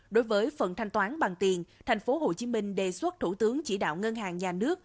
đối với phần thanh toán bằng tiền tp hcm đề xuất thủ tướng chỉ đạo ngân hàng nhà nước